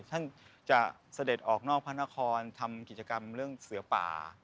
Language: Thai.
ท่านจะเสด็จออกนอกพระนครทำกิจกรรมเรื่องเสือป่า